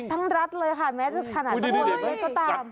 รัฐเลยค่ะแม้จะขนาดนี้ก็ตาม